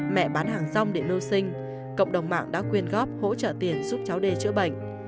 mẹ bán hàng rong để nô sinh cộng đồng mạng đã quyên góp hỗ trợ tiền giúp cháu đê chữa bệnh